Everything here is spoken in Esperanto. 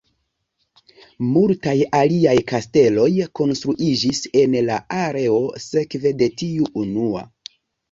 Multaj aliaj kasteloj konstruiĝis en la areo sekve de tiu unua.